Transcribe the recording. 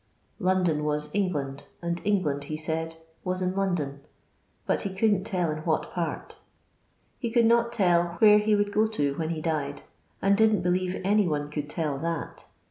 London was England, and England, he said, was in London, but he couldn't tell in what part. He could not tell where he would go to when he died, and didn't believe any one could tell that.